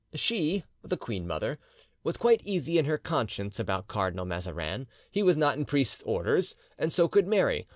"She (the queen mother) was quite easy in her conscience about Cardinal Mazarin; he was not in priest's orders, and so could marry.